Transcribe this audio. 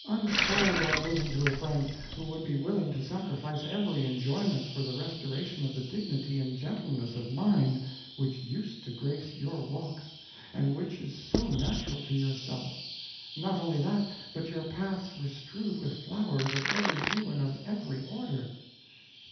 Unfold thy bosom to a friend, who would be willing to sacrifice every enjoyment for the restoration of the dignity and gentleness of mind which used to grace your walks, and which is so natural to yourself; not only that, but your paths were strewed with flowers of every hue and of every order.